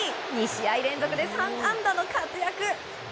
２試合連続で３安打の活躍。